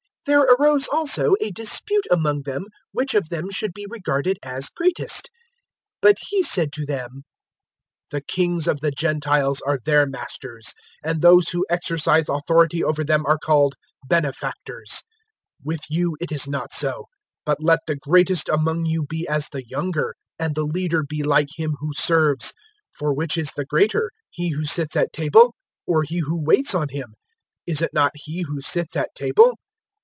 022:024 There arose also a dispute among them which of them should be regarded as greatest. 022:025 But He said to them, "The kings of the Gentiles are their masters, and those who exercise authority over them are called Benefactors. 022:026 With you it is not so; but let the greatest among you be as the younger, and the leader be like him who serves. 022:027 For which is the greater he who sits at table, or he who waits on him? Is it not he who sits at table?